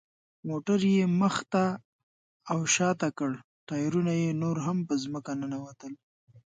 موټر یې مخ ته او شاته کړ، ټایرونه یې نور هم په ځمکه ننوتل.